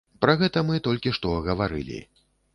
Пра гэта мы толькі што гаварылі.